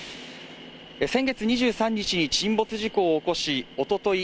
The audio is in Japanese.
先月２３日に沈没事故を起こしおととい